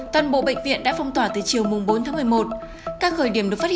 toàn bộ bệnh viện đã phong tỏa từ chiều bốn một mươi một